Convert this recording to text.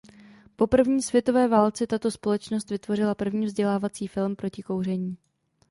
Po první světové válce tato společnost vytvořila první vzdělávací film proti kouření.